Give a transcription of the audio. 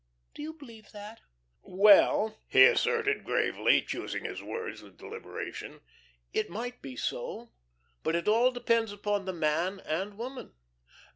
Do you believe that?" "Well," he asserted, gravely, choosing his words with deliberation, "it might be so, but all depends upon the man and woman.